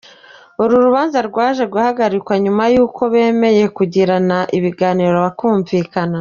Uru rubanza rwaje guhagarikwa nyuma yuko bemeye kugirana ibiganiro bakumvikana.